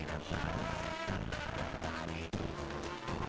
aku gak akan membiarkan